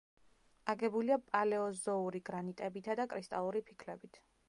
აგებულია პალეოზოური გრანიტებითა და კრისტალური ფიქლებით.